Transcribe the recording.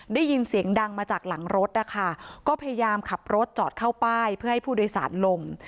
ได้ยินเสียงดังมาจากหลังรถนะคะก็พยายามขับรถจอดเข้าป้ายเพื่อให้ผู้โดยสารลง